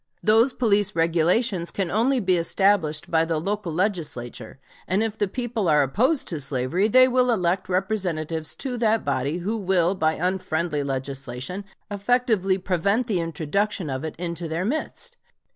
Those police regulations can only be established by the local Legislature, and if the people are opposed to slavery they will elect representatives to that body who will by unfriendly legislation effectually prevent the introduction of it into their midst.